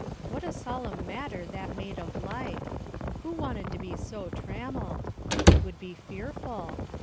What a solemn matter that made of life! Who wanted to be so trammelled! It would be fearful.